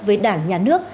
với đảng nhà nước